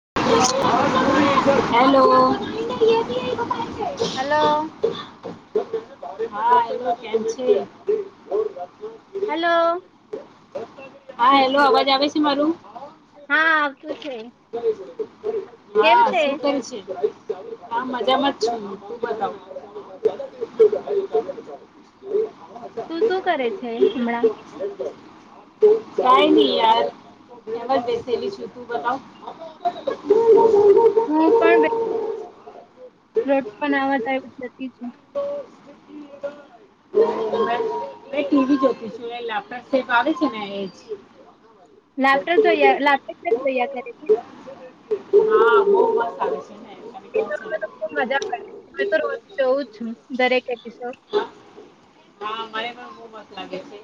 [inaudible] હાલો. Hello. હા એમાં કેમ છે? હલો હા હેલો અવાજ આવે છે મારું? હા શું છે? કેમ હા છે શું કે છે આ મજામાં જ છું હું, તું બતાવ? તું શું કરે છે હમણાં? કઈ નહી યાર એમજ બેસેલી છું તું બતાવ. [unintelligible] હું પણ રોટ પણ આવતા જતી છું. [unintelligible] મે ટીવી જોતી છું લેપટોપ સેફ આવે છે ને એજ. લેપટોપ જોઈયા લેપટોપ જોઈયા કરે. હા બ મસ આવે છે. ને તને એ ખબર તો છે તો ને ખુબ મજા પડે તો રોજ જોવું જ છું દરેક એપિસોડ. [inaudible] હા મને પણ બહુ મસ્ લાગે છે.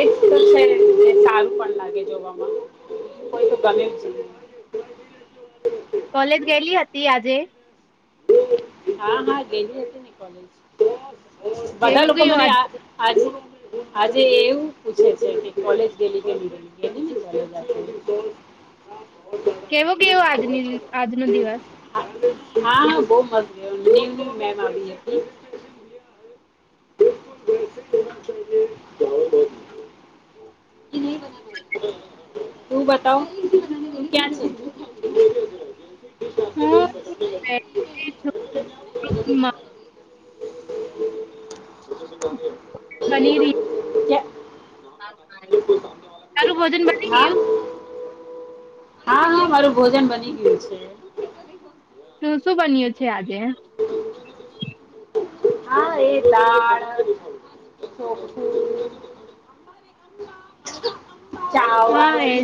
એ તો છે ને સારું પણ લાગે જોવામાં. કોય તો કમે છે. કોલેજ ગયેલી હતી આજે? હા હા ગેલી હતી ને કોલેજ. બધા કેવું લોકો ગયું મને આજ આજે એવું પૂછે છે કોલેજ ગેલી કે? કેવું કેવું આજની આજનો દિવસ? આજે હા હા બહ મસ્ ગ મેી [unintelligible] જ બ [unintelligible] એ [unintelligible] તું બતાવ ક્યા છે? હમ. શ [unintelligible] બલી રી તારું ભોજન બની હા ગયું? હા હા મારું ભોજન બની ગયું છે. શું શું બન્યો છે આજે? હા એ લાડ [inaudible] હા ચાવલ એજ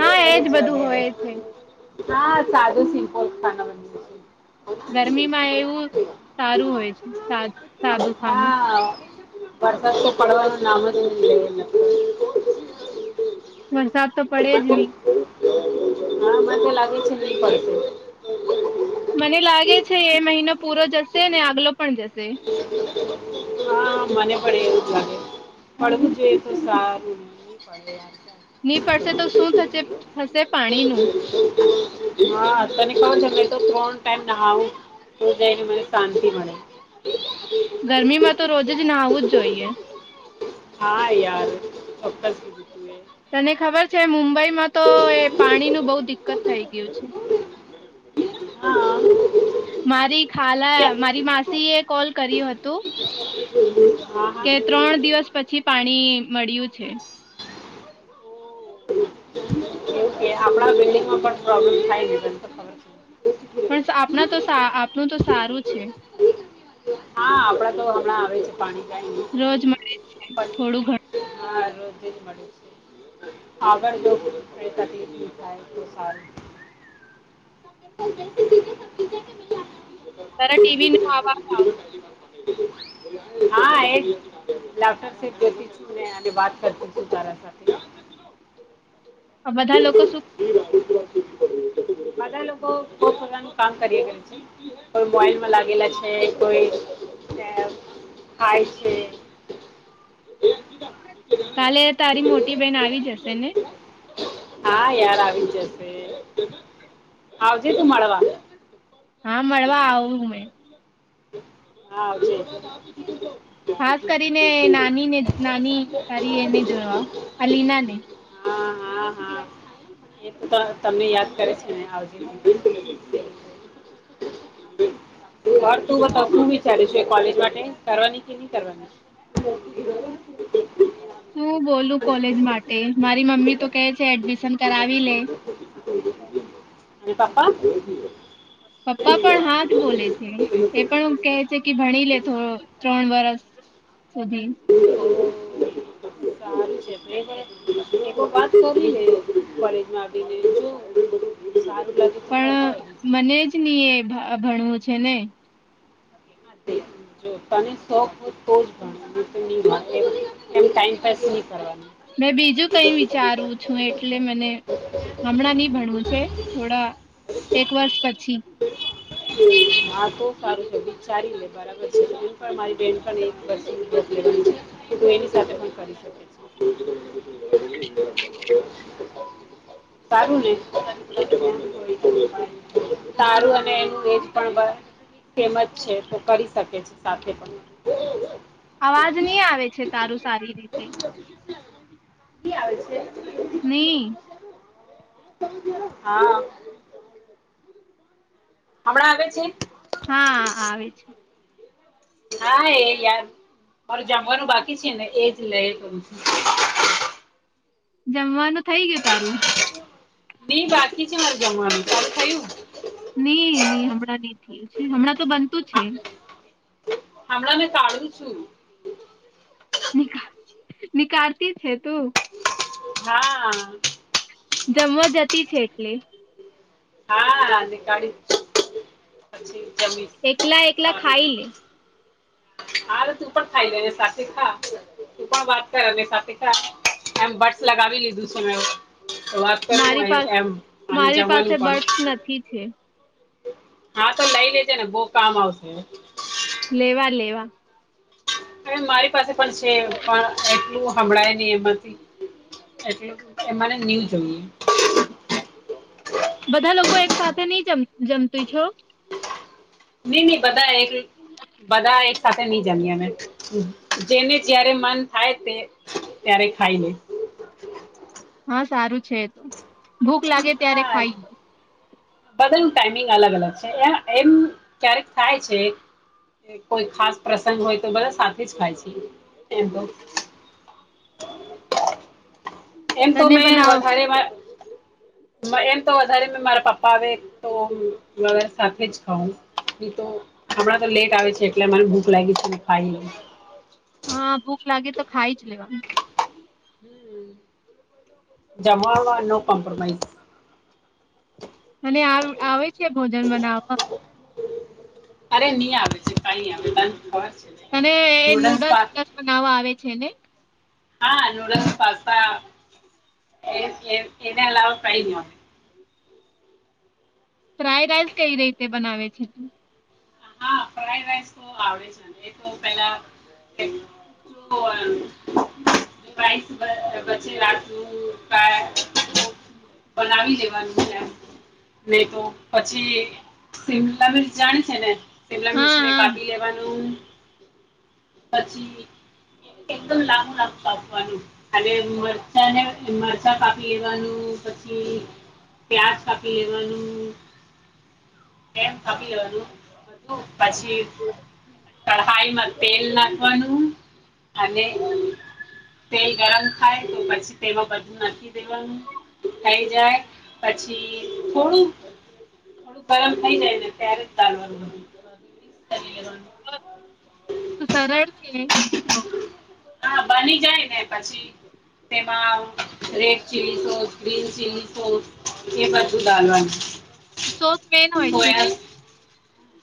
હા એજ બધું વગેરે. હોય છે. હા સાદું સિમ્પલ ખાના બની છે. ગરમીમાં એવું સારું હોય છે સા સાદું ખાનું. ભરસા પડવાનું નામજલે. વરસાદ તો પડે જ નહી. હા મને લાગે છે ન પશે મને લાગે છે એ મહિનો પૂરો જશે અને આગલો પણ જશે. હા મને પડે એવું લાગે, પડવું જોઈએ તો સારું મ પડે. ની ફરશે તો શું થશે પાણીનું? હા તને ક છે મે તો ત્રણ ટાઈમ નહાવું. તો જાયને મને શાંતિ મળે. ગરમીમાં તો રોજ જ ના આવું જ જોઈએ. હા યાર ચોક્કસ. તને ખબર છે મુંબઈમાં તો એ પાણી નું બહુ દિક્કત થઈ ગયું છે. હા મારી ખાલા કે મારી માસી એ કોલ કર્યું હતું. હા હા કે ત્રણ દિવસ પછી પાણી મળ્યું છે. બિલ્ંગમાં પણ પ્રોબ્લેમ થાય ને ખબર. પણ આપણા તો આપણું તો સારું છે. હા આપડા તો હમણાં આવે છે પાણી. કાંઈ નહીં રોજ મળે છે પણ થોડું ઘણું. હા આગળ જોશું [unintelligible] થાય તો સારું. [inaudible] [inaudible] તારા ટીવી નો આવાજ આવતો છે. હા એ લાફટર શો જોતી છું અને વાત કરતી છું તારા સાથે. આ બધા લોકો શું [inaudible] બધા લોકો બો પ્રકાર નું કામ કરી રહ્યા છે કોઈ મોબાઈલમાં લાગેલા છે કોઈ અ, [inaudible] ખાય છે. કાલે તારી મોટી બેહન આવી જશે ને હા યાર આવી જશે આવજે તું મળવા. હા મળવા આવું મે હા બે ખાસ કરીને નાનીને નાની તારી એને જોવા અલિના ને હા હા હા એ તમને યાદ કરે છે ને આવજે તું [unintelligible] શું વિચારીશું કોલેજ માટે કરવાની કે ની કરવાની. શું બોલું કોલેજ માટે મારી મમ્મી તો કે છે એડમિશન કરાવી લે. અને પપ્પા પપ્પા પણ હા જ બોલે છે. પણ કહે છે કે ભણી લે તું ત્રણ વરષ સુધી [inaudible] સારું છે બે વર્ષ એવુ વાત કરીલે કોલેજ માં બી એવું ચા પણ મને જ ની એ ભણવું છે ને [inaudible] જો તને શોખ હોય તો જ ભણ નીતો ની ભણ એવો ટાઈમ પાસ જ ની કરવાનો. મેં બીજું કઈ વિચારુ છું એટલે મને હમણાં ની ભણવું છે થોડા એક વર્ષ પછી હમમ આ તો સારું તો વિચારી લે બરાબર મારી બહેનપણી [inaudible] કરી શકે છે. [inaudible] સારું ને સારું અને તું એક પણ ફેમસ છે તો કરી શકે છે સાથે પણ આવાજ ની આવે છે તારું સારી રીતે ની આવે છે. નહી હા. હમણા આવે છે. હા આવે છે. હા એ યાર મારે જમવાનું બાકી છે ને એજ લે તો ભી જમવાનું થઇ ગયું તારું. ની બાકી છે મારુ જમવાનું તારું થયું હું. ની ની હમણાં ની થીયું છે હમણાં તો બનતું છે. હમણાં મે કાઢું છું. નિકા નીકાળતી છે તું હા. જમવા જતી છે એટલે હા ની કાળી પછી જમી એકલા એકલા સારું છે ખાઈ લે હારે તું પણ ખાઈ લે ને સાથે ખા તું પણ વાત કરેને સાથે ખા એમ બડ્સ લગાવી લીધું છેું મે તો વાત કર મારી પાસે એમ અને મારી પાસે જમવાનું પણ બર્ડસ નથી છે હા તો લઈ લેજે ને બહું કામ આવશે લેવા લેવા હ મારી પાસે પણ છે પણ એટલું હમળાય લે એ નવ જોઈએ બધા લોકો એક સાથે નહી જમત છો નહી નહી બધા બધા એક સાથે નહી જમીએ અમે જેને જયારે મન થાય તે ત્યારે ખાઈલે હા સારું છે તો ભૂખ લાગે ત્યારે ખાઈ લો બધા ન ટાઈમિંગ અલગ અલગ છે એ એમ ક્યારેક થાય છે કોઈ ખાસ પ્રસંગ હોય તો બધા સાથે જ ખાય છે એમ તો [inaudible] એમ તો તને મેં બનાવ વધારે એમ તો વધારે મારા પપ્પા આવે તો સાથે જ ખઉ એ તો હમણાં તો લેટ આવે છે એટલે મને ભૂખ લાગી છે ખાઈ હા ભૂખ લાગે તો ખાઈ જ લેવા હ જમા નો કોંપ્રોમાઈઝ અને આવે છે ભોજન બનાવા અરે હી આવે છે કઈ આવે ત અનેને એ નૂડલ્સ વુડલ્સ બનાવવા આવે છે ને હા નૂડલ્સ પાસતા એ એ એના અલાવા કાઈ નને ફ્રાય રાઈસ કઈ રીતે બનાવે છે તું હા ફ્રાઈડ રાઈસ તો આવડે જ ને એ તો પેલા કે જો [unintelligible] બનાવી દેવાનું છે એમ નહી તો પછી શિમલા મિરચ જાણી છે ને શેમલા મિર્ચ હા ને હા કાપી લેવાનું પછી એકદમ લાબું લાબુંવાનું કાપવાનું મરચા ને મરચા કાપી લેવાનું પછી પ્યાજ કાપી લેવાનું એમ [unintelligible] કઢાઈમાં તેલ નાખવાનું અને તેલ ગરમ થાય તો પછી તેમાં બધું ના દેવાનું થઈ જાય પછી થોડું થોડુંક ગરમ થઈ જાય ને [unintelligible] મિકસ કરી લેવાનું સરળ છે હા બની જાય ને પછી તેમાં red chilli sauce green chilli sauce એ બાધું દાલવાનું સોસ હોય છે ને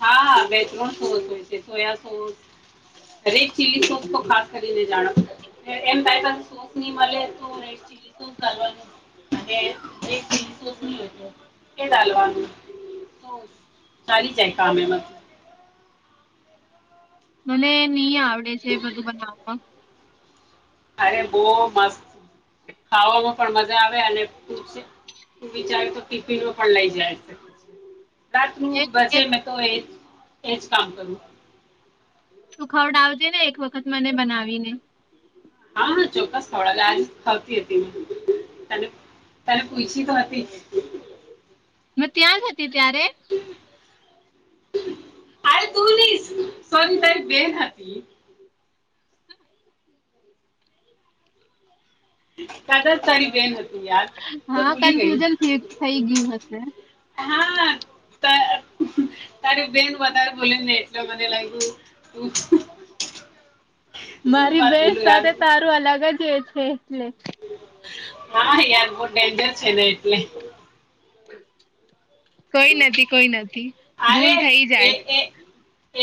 હાા બેચરન સોસ હોય છે soya sauce red chilli sauce તો ખાસ કરીને જાણ એમ સોસ નહી મળે તો [inaudible] [unintelligible] કે ડાલવાનું તો સારી જાય કામે માતો મને ની આવડે છે, બધું બનાવા અરે બો મસ્ત ખાવામાં પણ મજા આવે અને [unintelligible] તું વિચાર તો ટિફિનો પણ લઈ જાય શકે છે. રાતનુ એક બચે એક મેં તો એજ એજ કામ કરું તુ ખવડાવજે ને એક વખત મને બનાવીને હા હા ચોક્કસ ખવડાવે આજ ખતી હતી તને તને પુઈછી તો હતી મે ત્યાં જ હતી ત્યારે અરે તું ની સોરી તારી બેન હતી કાતો. તારી બેન હતી યાદ તો હા ભૂલી ગઈ કન્ફ્યુઝન થઈ થઈ ગયું હશે હા ત તારી બેન વધારે બોલીને એટલે મને લાગ્યું શું મારી વાત બેન બોલું યાર સાથે તારું અલગ જ એ છે. એટલે હા યાર બો ડેન્જર છે, ને એટલે કોઈ નથી કોઈ નથી ભૂલ અરે થઈ એ જાય જ એ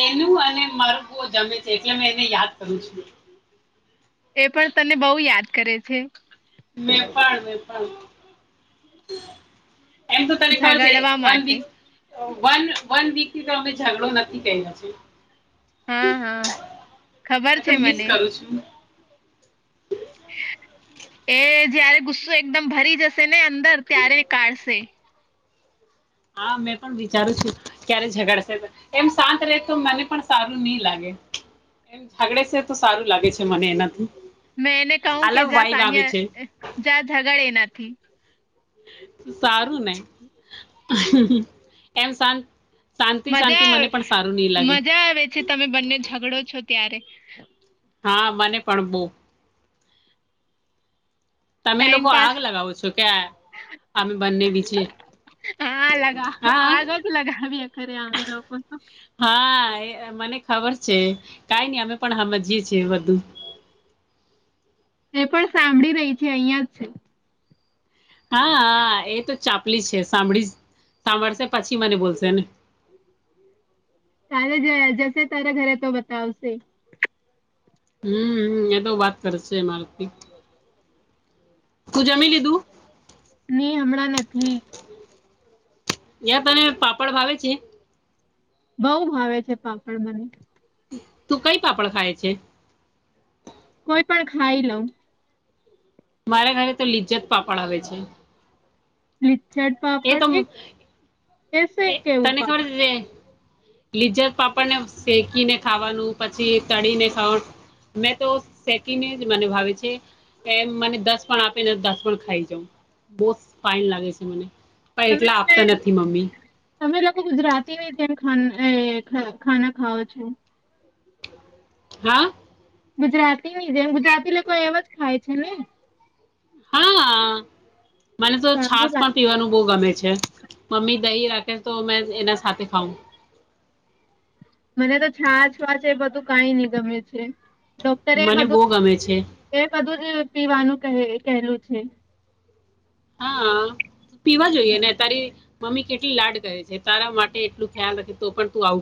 એનું અને મારું બો જમે છે, એટલે મેં એને યાદ કરું છું. એ પણ તને બોવ યાદ કરે છે. મેં પણ મેં પણ એમ તો તને ખબર છે, ઝગાડવા વન માટે વીક વન વન વીકથી તો અમે ઝઘડો નથી કયરો છે. હા હા ખબર મેં છે તો મિસ મને કરું છું. એ જયારે ગુસ્સો એકદમ ભરી જશે ને અંદર ત્યારે કાઢશે હા મેં પણ વિચારું છું ક્યારે ઝગડશે તો એમ શાંત રહે તો મને પણ સારું ની લાગે એમ ઝાગડે છે, તો સારું લાગે છે, મને એનાથી મેં એને કહું કે અલગ જા વાઈબ આવે છે. સાનિયા જા ઝગડ એનાથી સારું ને એમ શા- મજા આવે મજા આવે છે, તમે બંને ઝઘડો છો ત્યારે હા મને પણ બો તમે ટાઈમ લોકો પાસ આગ લગાવો છો કે અમે બંને બીજે હા લગાવ હા આગ જ લગાવીએ ખરે અમે લોકો હા મને ખબર છે, કઈ નઈ અમે પણ હમજીએ છીએ બધું એ પણ સાંભળી રહી છે, અહિયાં જ છે. હા હા એ તો ચાપલી છે, સાંભળી સાંભળશે પછી મને બોલશે ને તારે જો જશે તારે ઘરે તો બતાવશે હમ એ તો વાત કરે છે, મારથી તું જમી લીધું ની હમણાં નથી રીયા તને પાપડ ભાવે છે. બઉ ભાવે છે, પાપડ મને તું કઈ પાપડ ખાય છે. કોઈ પણ ખાઈ લઉં મારા ઘરે તો લિજ્જત પાપડ આવે છે. લિજ્જત એ તો પાપડ એક એસે કે એવું પાપડ લિજ્જત પાપડને શેકીને ખાવાનું પછી તળીને ખાવાનું મેં તો શેકીને જ મને ભાવે છે, કે મને દસ પણ આપેને દસ પણ ખાઈ જાઉ બોવ ફાઈન લાગે છે, મને પણ તમે એટલા લોકો આપતા નથી મમ્મી તમે લોકો ગુજરાતીની તેમ ખાના ખાવ છો? હા. ગુજરાતીની જેમ ગુજરાતી લોકો એવું જ ખાય છે ને? હા, મને તો સારું છાસ પણ લાગે. પીવાનું બહુ ગમે છે. મમ્મી દહી રાખે તો, મેં એના સાથે ખાઉં. મને તો છાશ છે, એ બધું કંઈ નહીં ગમે છે. ડોક્ટરે એ મને બહુ બધું, ગમે છે એ બધું જ પીવાનું કહેલું છે. હા, પીવા જોઈએ ને તારી. મમ્મી કેટલી લાડ કરે છે તારા માટે, એટલું ખ્યાલ રાખે તો પણ તું આવ.